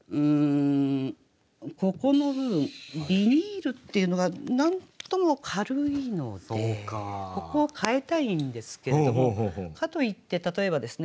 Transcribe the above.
ここの部分ビニールっていうのがなんとも軽いのでここを変えたいんですけれどもかといって例えばですね